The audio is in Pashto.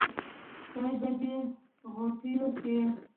خدا به دې ِغوټېو کې